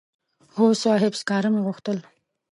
هو صاحب سکاره مې غوښتل.